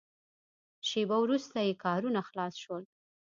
شېبه وروسته یې کارونه خلاص شول.